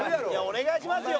お願いしますよ